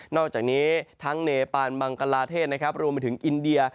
อกจากนี้ทั้งเนปานบังกลาเทศรวมไปถึงอินเดีย